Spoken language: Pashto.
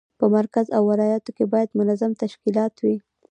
په مرکز او ولایاتو کې باید منظم تشکیلات وي.